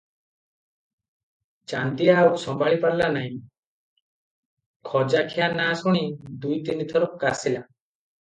ଚାନ୍ଦିଆ ଆଉ ସମ୍ଭାଳିପାରିଲା ନାହିଁ, ଖଜାଖିଆ ନାଁ ଶୁଣି ଦୁଇ ତିନିଥର କାଶିଲା ।